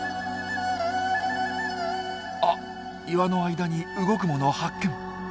あっ岩の間に動くもの発見。